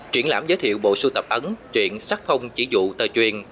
triển lãm giới thiệu bộ sưu tập ấn truyện sắc phong chỉ dụ tờ truyền